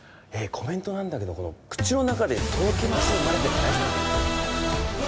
コメントなんだけどこの「口の中でとろけます」までで大丈夫なんで